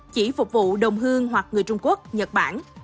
chỉ phục vụ đồng hương hoặc người trung quốc nhật bản